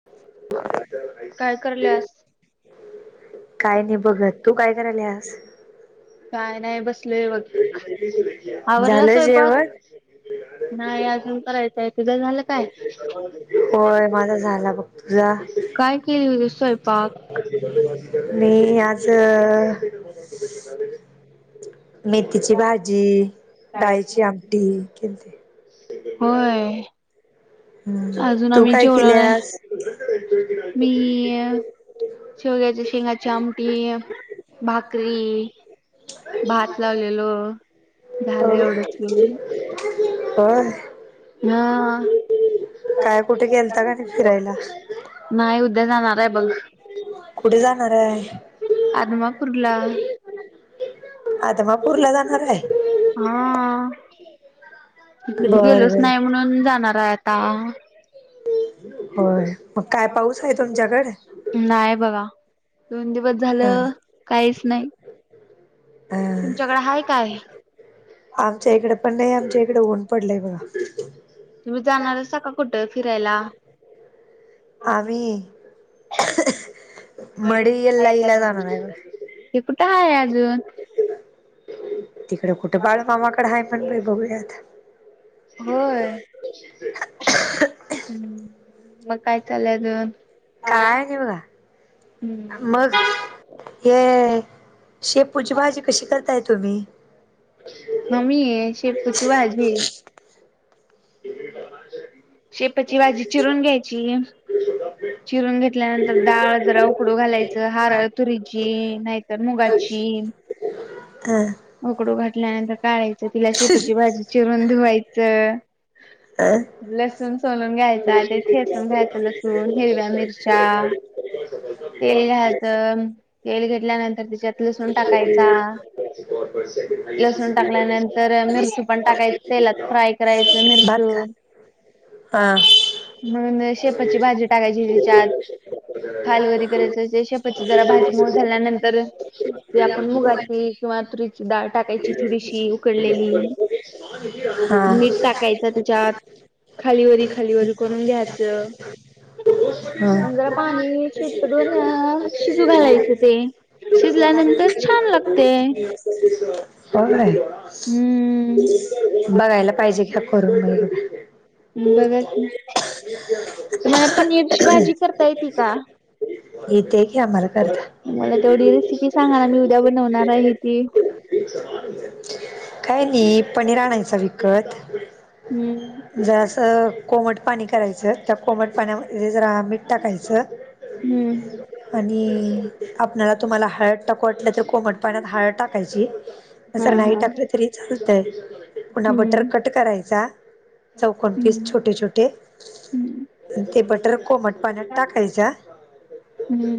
ह ह [inaudible] [unintelligible] काय नाही बघत तू काय करायली आज? काय नाही बसले बघ आवरला झालं स्वयंपाक? जेवण? नाही अजून करायचंय तुझं झालं काय? होय माझा झाला बघ तुझा? काय केलेली होती स्वयपाक? मी आज ले [unintelligible] मेथीची भाजी, डाळीची आमटी केलती. होय. हम्म अजून तू आम्ही काय जेवलो नाही केल्यास? मी शेवग्याच्या शेंगाची आमटी भाकरी भात लावलेलो झालं एवढंच गे आा. हा. काय कुठे गेलता का नाही फिरायला? नाही उद्या जाणार आहे बघ. कुठे जाणार आहे? अ मा पुरला. आता मग पूरला जाणार आहे. हा बर कधी गेलोच बर नाही म्हणून जाणार आहे आता होय मग काय पाऊस आहे तुमच्याकडे नाही बघा दोन दिवस झालं काहीच नाही. तुमच्याकडे हाय काय हह. आमच्या इकडे पण नाही आमच्या इकडे ऊन पडलाय बघा. तुम्ही जाणार अस का कुठं फिरायला आम्ही ब मडेला इला जाणार आहे बघ हे कुठं ह आहे अजून तिकड कुठं बाळ मामाकड आहे पण बा बघूयात. होय हम् मग काय चालय अजून काय नाही बघा. हम्म मग हे शेपूची भाजी कशी करताय तुम्ही? म्मी शे तू शवाजी शेपाची भाजी चिरून घ्यायची. चिरून घेतल्यानंतर डाळ जरा उकडू घालायचं हारळ तुरीची नाही. तर मुगाची हा. उकडू घातल्यानंतर काढायचं तिला शेपाची भाजी चिरून धुवायचं. लसुण सोनून घ्यायच आता ठेसून घ्यायच लस. हिरव्या मिरच्या तेल घातं तेल घेतल्यानंतर त्याच्यात लसण टाकायचा. पर लसूण टाकल्यानंतर मिरचू पण टाकायच तेलात फ्राय करायचं भात मिरचू हा. मगून शेपाची भाजी टाकायची त्याच्यात खाल वगैरे करायच शेप जरा भाज झाल्यानंतर आपण मुगाची किंवा तु डाळ टाकाय थोडी उकली. टाकायचं तुझ्यात खालीवरी खालीवर कोणून घ्यायचं. हम्म. जरा पाणी शेतकडून शिजू घालायचं ते शिजल्यानंतर छान लागते. ब आहे हम्म बघायला पाहिजे की कर म बघ. ठीक. तर मला पनीरची भाजी करता येते का? इथ क आमर मला तेवढी रेसिपी सांगा ना मी उद्या बनवणार आहे ती काय नाही पनीर आणायच विकत. हम. ज असं कोमट पाणी करायचं त्या कोमट पाण्यामध्ये जरा मीठ टाकायचं. हम्म आणि आपल्याला तुम्हाला हळत टाक वाटलं तर को म्हटत. पाण्यात हळ टाकायची हा जर नाही हा टाकलं तरी चालतय पुन्हा बटर हम्म क कट कराचा चौक पीस हम्म. छोटे छोटे हम्म ते बटर कोमट पाण्यात टाकायचा. हम्म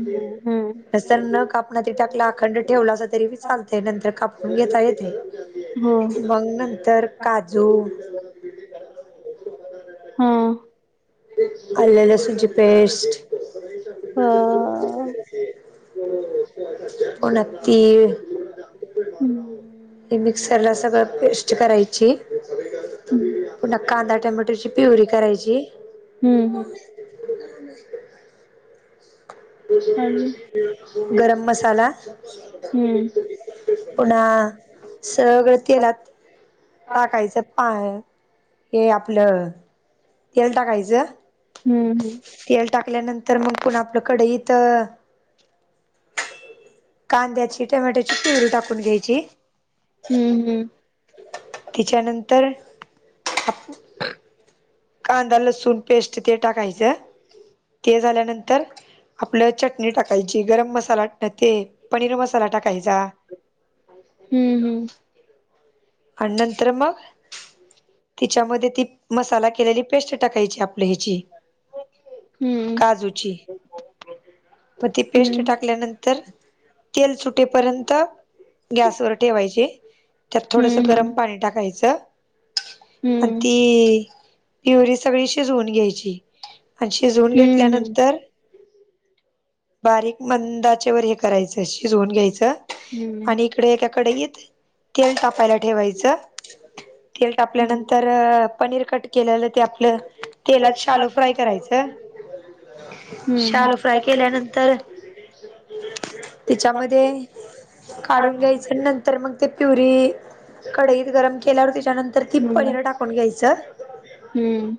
हम्म! तस न कापण तरी टाकला अखंड ठेवला अस तरीबी चालतय नंतर कापून घेताला तरी हो चालतंय. मग नंतर काजू हा! आले लसूण ची पेस्ट अ पुन्हा तीळ हम्म हे मिक्सर ला सगळं पेस्ट करायची. हम्म पुन्हा कांदा टमॅटोची प्युरी करायची. हम्म हम्म! हम्म गरम मसाला हम्म पुन्हा सगळं तेलात टाकायचं पा हे आपलं तेल टाकायचं. हम्म हम्म! तेल टाकल्यानंतर मग पुण आपलं कडईत कांद्याची टोमॅटोची प्युरी टाकून घ्यायची. हम् हम्म! त्याच्यानंतर आपु कांदा लसूण पेस्ट ते टाकायचं. ते झाल्यानंतर आपलं चटणी टाकायची गरम मसाला न, ते पनीर मसाला टाकायचा. हम्म आणि नंतर मग तिच्यामध्ये ती मसाला केलेली पेस्ट टाकायची आपल्या ह्याची हम्म काजूची. मग ती पेस्ट हम्म टाकल्यानंतर तेल सुटेपर्यंत गॅसवर ठेवायचे. त्यात थोडस गरम हम्म पाणी टाकायचं आणि हम्म ती प्युअरी सगळी शिजवून घ्यायची आणि शिजवून हम्म हम्म घेतल्यानंतर बारीक मंद आचेवर हे करायचं शिजवून घ्यायचं. हम्म हम्म आणि इकडे एका कढईत तेल तापायला ठेवायचं. तेल हम्म तापल्यानंतर पनीर कट ते आपलं तेलात शालो फ्राय करायचं. हम्म शालो फ्राय केल्यानंतर त्याच्यामध्ये काढून घ्यायचं नंतर मग ते प्युरी कडईत गरम केल्यावर त्याच्यानंतर ती पनीर टाकून घ्यायचं. हम्म!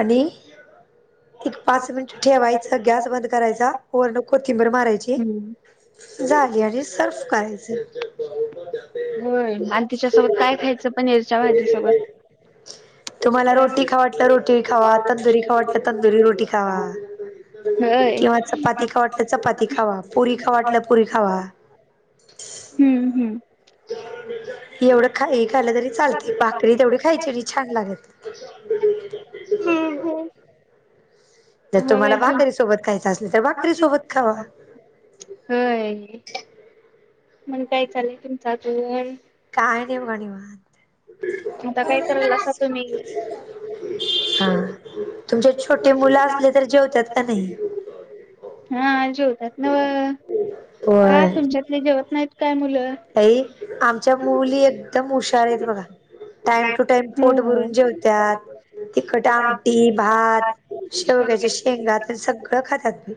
आणि एक पाच मिनिट ठेवायचं गॅस बंद करायचा वरण कोथिंबीर मारायची. हम्म झाली आणि सर्फ करायचं. होय आणि तिच्यासोबत काय खायचं पनीरच्या भाजीसोबत? तुम्हाला रोटी खाव ल रोटी खावा, तंदुरी खाव वाटलं तंदुरी रोटी खावा किंवा चपाती खाव वाटलं चपाती खावा, पुरी खाव वाटलं पुरी खावा. हम्म हम्म. एवढं खाल्ल हे खालं तरी चालते भाकरी तेवढी खाय ती छान लागती. [inaudible] जर मग तुम्हाला अजून भाकरीसोबत खायचं असल तर भाकरी सोबत खावा. होय! आणि काय चाललंय तुमचा अजून? काय [unintelligible] आता काय करायलेसा तुम्ही? हा तुमच्यात छोटे मुलं असले तर जेवतात का नाही? हा जेवतात ना व्ह का? होय तुमच्यातले जेवत नाहीत काय मुलं? ताई आमच्या मुली एकदम हुशार आहेत बघा. टाइम टू टाइम पोट होय. भरून जेवत्यात तिखट आमटी भात शेवग्याच्या शेंगा ते सगळं खातात मी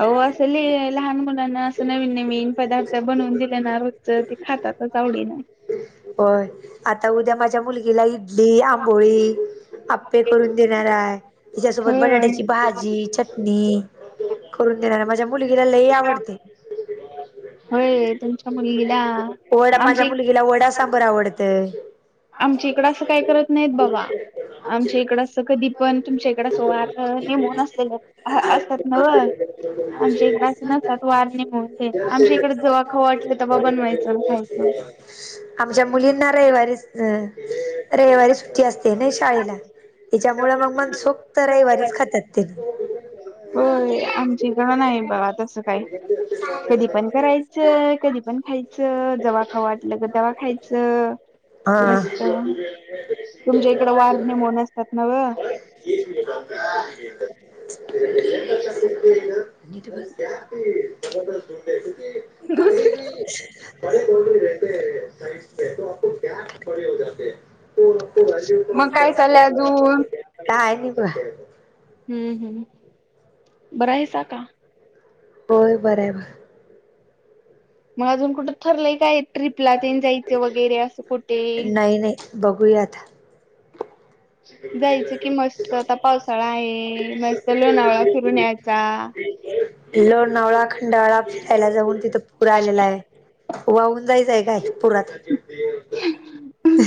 अहो असं नये लहान मुलांना असं नवीन नवीन पदार्थ बनवून दिले न रोजच ते खातात. तेच आवडीने होय आता उद्या माझ्या मुलगीला इडली आंबोळी आपे करून देणार आहे त्यािच्यासोबत बटाट्याची भाजी चटणी करून देणार माझ्या मुलगीला लई आवडते. होय तुमच्या मुलीला आमच्या तला वडा सांगूर आवडत. आमच्या इकडं असं काय करत नाहीत बाबा आमच्या इकड अस कधी पण तुमच्या इकड सोमार निेमून असले असतात नव आमच्या इकडे अस असतात वारणे म्हणून ते आमच्या इकड जवख वाटलं. बनवायचं खायचं. ह. आमच्या मुलींना रविवारी अ रविवारी सुट्टी असते ना शाळेला त्याच्यामुळे मग मन सोखत रविवारीच खातात ते होय आमची गण आहे बाबा तसं काय कधी पण करायचं कधी पण खायचं जवा खावाट लगत दवा खायचं. मस्त तुमच्या हा. इकडं वार नेमून असतात ना व. [unintelligible] ज हो. पर कोतेतेत खूप्या पड जते तू रको वाज्यू मग काय चाललंय अजून? काय नि ब हम्म हम्म. बरं आहेसा का? हो बर आहेर मग अजून कुठं ठरलंय काय ट्र्रीपला ते जायचं वगैरे असं कुठे? बघूयात. [unintelligible] जायचं की मस्त आता पावसाळा आहे मस्त लोणावळा फिरून यायचा. लो नवळा खंडवाळा फिरायला जाऊन तिथं पुूर आलेला आहे. वाहून जायचंय काय पुरात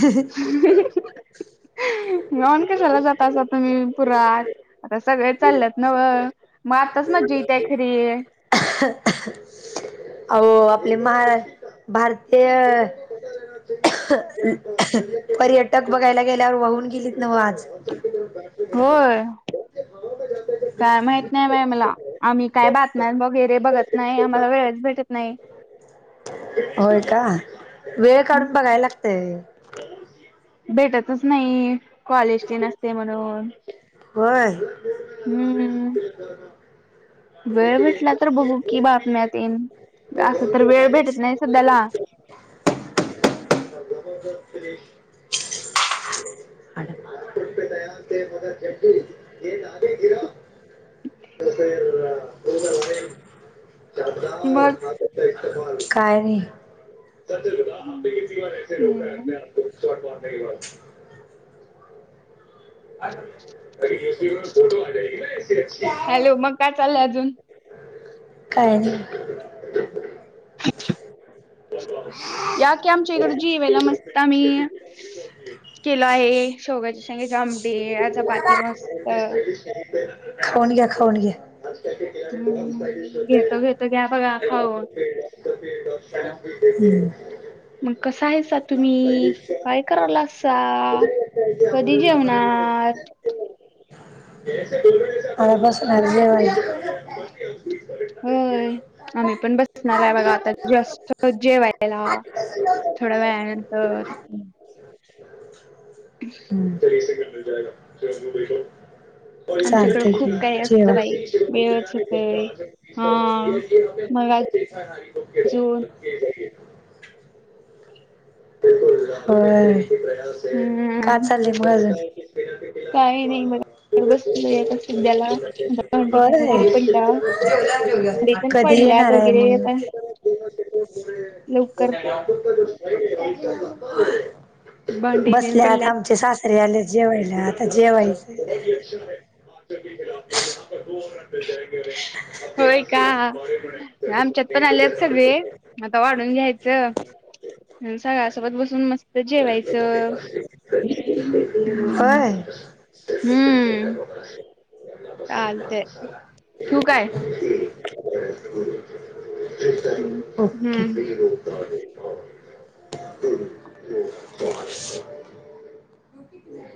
ह्. गवन कशाला जाताा तुम्ही पुरात आता सगळे चाललेत नव मग आताच म्जीेत आहे खरी. अ आपले महारा भारतीय पर्यटक बघायला गेल्यावर वाहून गेली. नवाज होय. [unintelligible] काय माहित नाही बा मला आम्ही काय बातम वगैरे बघत नाही आम्हाला वेळच भेटत नाही. होय का वेळ काढून बघायला लागतेय. भेटतच नाही कॉलेज ट नसते म्हणून होय. हम्म वेळ भेटला तर बघू की बातम्यातीलन असं तर वेळ भेटत नाही सध्याला ट पे तयार ते मगर हेग गिरा तर हो बर काय वाट वा ब अ फोटो हॅलो मग काय चाललंय अजून आ ना अ काय या नाही [inaudible] केल आहे शेवग्याच्या शेंगाची आमटी, चपाती मस्त. खाऊन घ्या. खाऊन घ्या. [inaudible] [inaudible] हम्म घेतो घेतो घ्या बघा खाऊन. मग कसं आहेसा तुम्ही? काय करालासा? कधी जेवणार? [inaudible] [inaudible] होय आम्ही पण बसणार आहे बघा आता जस्टच जेवायला. थोड्या वेळानंतर. [inaudible] [inaudible] आमच्याकडें की खूप काही असतं जेवा. बाई वेळच होत. अजून [inaudible] होय का हम्म चालली मग अजून. काही नाही बघा. [inaudible] बसलोय आता सध्याला भांडी वगैरे होय पडल्यात. पण कधी पडल्यात येणार आहे वगैरे म्हणून.. आता लवकर [inaudible] भांडी तेन बसल्यात पडल्यात. आमचे सासरे आले जेवायला आता जेवायच. होय का आमच्यात पण आलेत सगळे. आता वाढून घ्यायचं. सगळ्या सोबत बसून मस्त- जेवायचं हम्म होय. हम्म! चालतय ठेऊ काय? हम्, हम्म, हम्म! ओके. [inaudible]